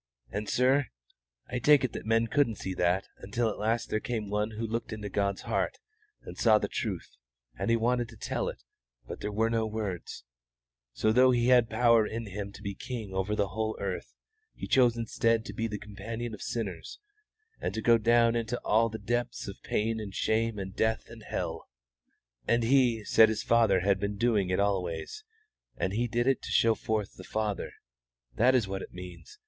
And, sir, I take it that men couldn't see that until at last there came One who looked into God's heart and saw the truth, and He wanted to tell it, but there were no words, so though He had power in Him to be King over the whole earth, He chose instead to be the companion of sinners, and to go down into all the depths of pain and shame and death and hell. And He said His Father had been doing it always, and He did it to show forth the Father. That is what it means.